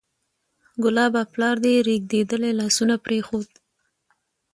کلابه! پلار دې رېږدېدلي لاسونه پرېښود